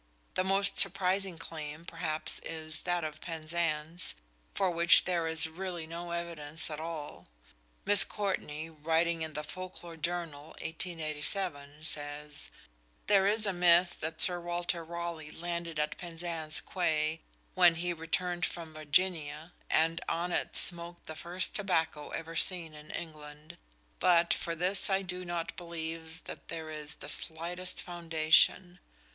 The most surprising claim, perhaps, is that of Penzance, for which there is really no evidence at all. Miss Courtney, writing in the Folk Lore Journal, 1887, says: "There is a myth that Sir Walter Raleigh landed at Penzance Quay when he returned from Virginia, and on it smoked the first tobacco ever seen in England, but for this I do not believe that there is the slightest foundation.